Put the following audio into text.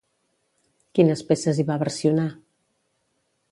Quines peces hi va versionar?